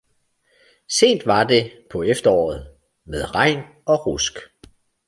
Sent var det på efteråret, med regn og rusk.